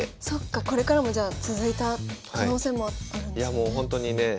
そっかこれからもじゃあ続いた可能性もあるんですよね。